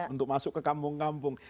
untuk masuk ke kampung kampung